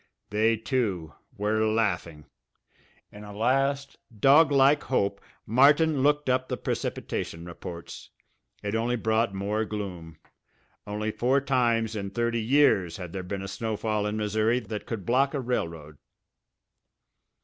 They, too, were laughing! In a last doglike hope Martin looked up the precipitation reports. It only brought more gloom. Only four times in thirty years had there been a snowfall in Missouri that could block a railroad!